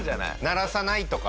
鳴らさないとか。